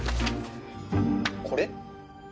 これ？